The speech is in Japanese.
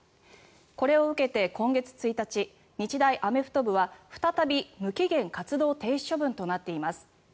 これを受けて今月１日日大アメフト部は再び無期限活動停止処分となっています。